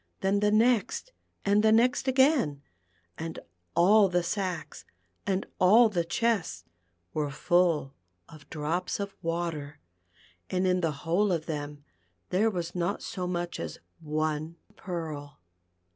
Then the next and the next again, and all the sacks, and all the chests were full of drops of water, and in the whole of them there was not so much as one pearl.